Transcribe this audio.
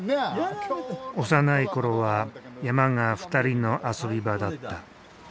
幼いころは山が２人の遊び場だった。